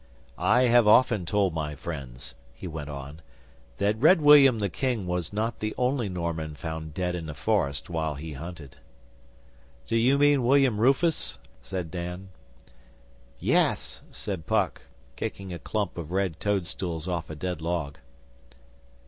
'I have often told my friends,' he went on, 'that Red William the King was not the only Norman found dead in a forest while he hunted.' 'D'you mean William Rufus?' said Dan. 'Yes,' said Puck, kicking a clump of red toad stools off a dead log.